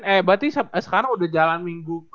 eh berarti sekarang udah jalan minggu ke